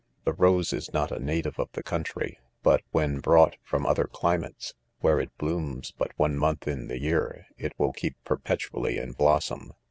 The rose is not a native of the country; but when brought from other climates, where it blooms but one month in the year, it will keep perpetually in blossom.